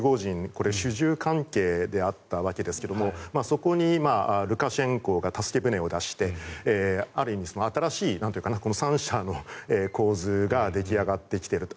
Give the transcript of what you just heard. これは主従関係であったわけですがそこにルカシェンコが助け舟を出してある意味、新しい３者の構図が出来上がってきている。